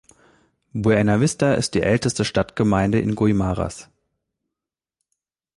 Buenavista ist die älteste Stadtgemeinde in Guimaras.